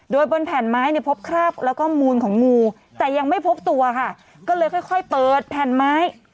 โดยบนแผ่นไม้เนี่ยพบคราบแล้วก็มูลของงูแต่ยังไม่พบตัวค่ะก็เลยค่อยเปิดแผ่นไม้